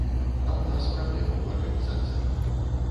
А ў нас праблемы ў арганізацыі.